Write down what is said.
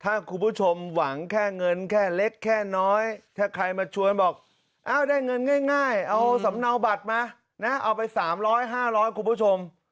ถ้าคุณผู้ชมหวังแค่เงินแค่เล็กแค่น้อยถ้าใครมาชวนบอกได้เงินง่ายเอาสำเนาบัตรมานะเอาไป๓๐๐๕๐๐คุณผู้ชม